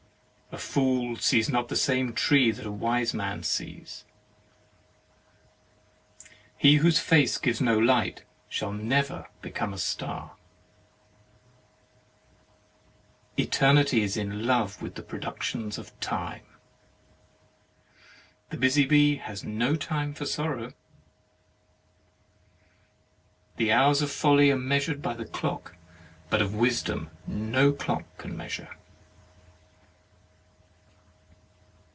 A fool sees not the same tree that a wise man sees. He whose face gives no light shall never become a star. 13 THE MARRIAGE OF Eternity is in love with the produc tions of time. The busy bee has no time for sor row. The hours of folly are measured by the clock, but of wisdom no clock can measure.